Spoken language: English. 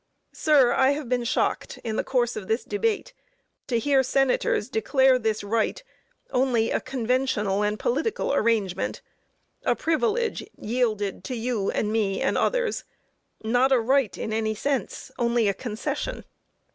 Sir, I have been shocked, in the course of this debate, to hear Senators declare this right only a conventional and political arrangement, a privilege yielded to you and me and others; not a right in any sense, only a concession!